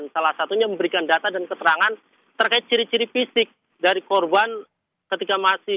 salah satunya memberikan data dan keterangan terkait ciri ciri fisik dari korban ketika masih